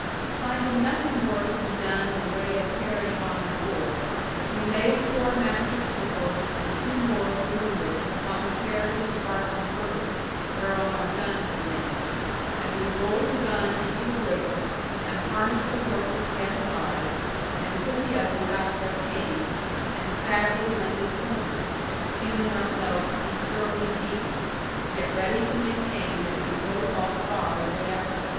Finding nothing more to be done in the way of carrying on the war, we laid poor Master Stickles and two more of the wounded upon the carriage of bark and hurdles, whereon our gun had lain; and we rolled the gun into the river, and harnessed the horses yet alive, and put the others out of their pain, and sadly wended homewards, feeling ourselves to be thoroughly beaten, yet ready to maintain that it was no fault of ours whatever.